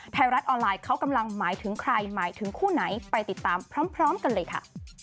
ไทยรัฐออนไลน์เขากำลังหมายถึงใครหมายถึงคู่ไหนไปติดตามพร้อมกันเลยค่ะ